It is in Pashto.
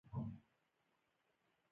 نور محروم دي.